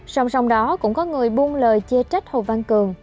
sông sông đó cũng có người buôn lời chê trách hồ văn cường